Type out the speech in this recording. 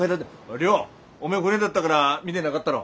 おめえ船だったがら見てながったろ？